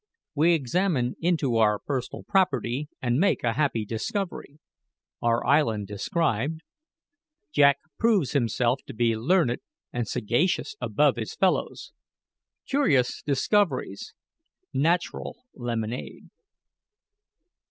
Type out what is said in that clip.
WE EXAMINE INTO OUR PERSONAL PROPERTY, AND MAKE A HAPPY DISCOVERY OUR ISLAND DESCRIBED JACK PROVES HIMSELF TO BE LEARNED AND SAGACIOUS ABOVE HIS FELLOWS CURIOUS DISCOVERIES NATURAL LEMONADE!